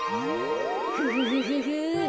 フフフフフ。